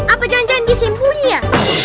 apa jangan jangan dia sembunyi ya